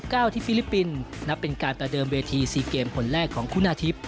วัน๑๙ที่ฟิลิปปินส์นับเป็นการตระเดิมเวทีซีเกมผลแรกของคุณาธิบ